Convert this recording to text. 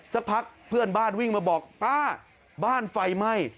สักพักเพื่อนบ้านวิ่งมาบอกป้าบ้านไฟไหม้